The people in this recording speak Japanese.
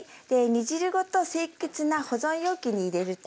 煮汁ごと清潔な保存容器に入れると。